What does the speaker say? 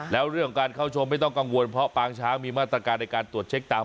แล้วเรื่องการเข้าชมไม่ต้องกังวลเพราะปางช้างมีมาตรการในการตรวจเช็คตาม